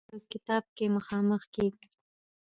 په کتاب کې مخامخ کېږو.